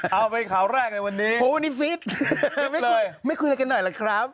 เอาไปข่าวแรกในวันนี้โอ้วันนี้ฟิตไม่เคยไม่คุยอะไรกันหน่อยล่ะครับ